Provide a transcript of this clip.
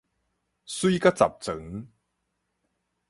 媠甲十全